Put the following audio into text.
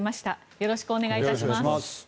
よろしくお願いします。